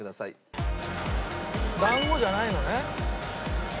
団子じゃないのね。